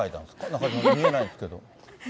中島さん、見えないですけど。